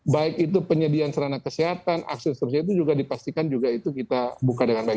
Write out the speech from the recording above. baik itu penyediaan serana kesehatan aksi dan seterusnya itu juga dipastikan juga itu kita buka dengan baik